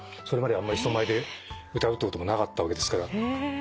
それまであんまり人前で歌うってこともなかったわけですから。